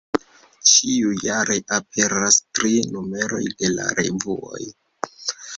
Ĉiujare aperas tri numeroj de la revuo.